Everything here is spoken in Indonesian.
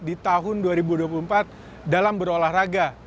di tahun dua ribu dua puluh empat dalam berolahraga